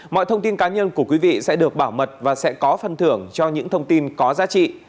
mọi thông tin cá nhân của quý vị sẽ được bảo mật và sẽ có phân thưởng cho những thông tin có giá trị